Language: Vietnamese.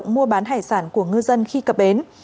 mua bán hải sản của ngư dân khi cập bến